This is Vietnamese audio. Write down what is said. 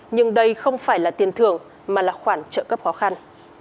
nhưng đây không phải là tiền thưởng mà là khoản trợ cấp khó khăn